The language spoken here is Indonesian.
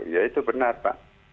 ya itu benar pak